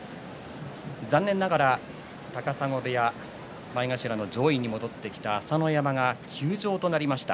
残念ながら高砂部屋前頭上位に戻ってきた朝乃山が休場となりました。